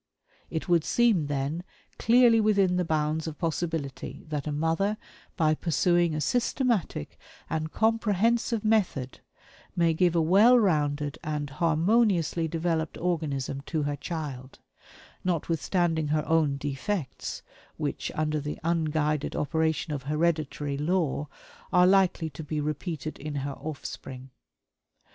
It would seem, then, clearly within the bounds of possibility that a mother, by pursuing a systematic and comprehensive method, may give a well rounded and harmoniously developed organism to her child notwithstanding her own defects, which, under the unguided operation of hereditary law, are likely to be repeated in her offspring.